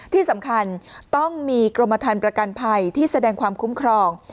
ที่สำคัญต้องมีกรมฐานประกันภัยที่แสดงความคุ้มครอง